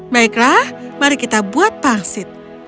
baiklah mari kita buat pangsit